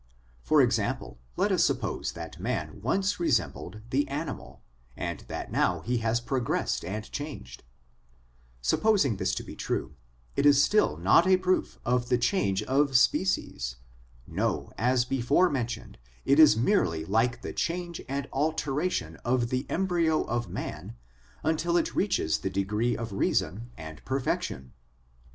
For example, let us suppose that man once resembled the animal, and that now he has progressed and changed ; supposing this to be true, it is still not a proof of the change of species ; no, as before mentioned, it is merely like the change and alteration of the embryo of man until it reaches the degree of reason and perfection.